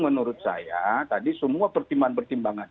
menurut saya tadi semua pertimbangan pertimbangan